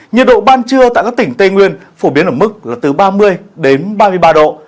nhiệt độ ban trưa tại các tỉnh tây nguyên phổ biến ở mức từ ba mươi đến ba mươi ba độ